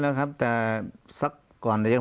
ปากกับภาคภูมิ